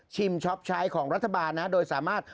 ช็อปใช้ของรัฐบาลนะโดยสามารถ